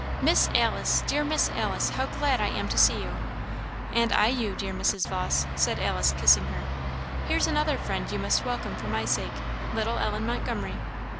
"Miss Alice! Dear Miss Alice, how glad I am to see you!" "And I you, dear Mrs. Vawse," said Alice, kissing her. "Here's another friend you must welcome for my sake little Ellen Montgomery."